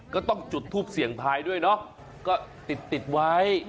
ก็ต้องจุดทูปเสี่ยงทายด้วยเนาะก็ติดไว้